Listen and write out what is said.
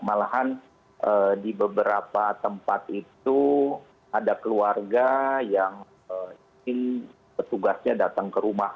malahan di beberapa tempat itu ada keluarga yang ingin petugasnya datang ke rumah